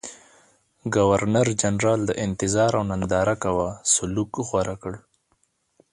ګورنرجنرال د انتظار او ننداره کوه سلوک غوره کړ.